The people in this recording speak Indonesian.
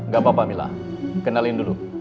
gapapa mila kenalin dulu